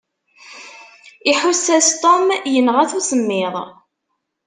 Iḥuss-as Tom yenɣa-t usemmiḍ.